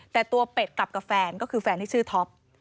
แต่ตัวเป็ดกลับกับแฟนก็คือแฟนที่ชื่อท็อป